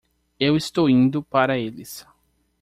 Eu estou indo para eles.